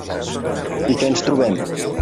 I què ens trobem?